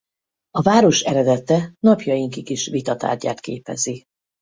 A város eredete napjainkig is vita tárgyát képezi.